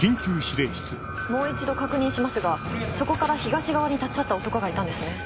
もう一度確認しますがそこから東側に立ち去った男がいたんですね？